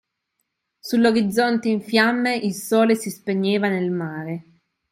Sull’orizzonte in fiamme il sole si spegneva nel mare.